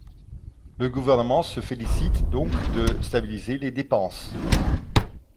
La Gouvernement se félicite donc de stabiliser les dépenses